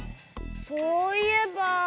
そういえば。